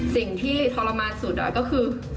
สิ่งที่ทรมานสุดก็คือ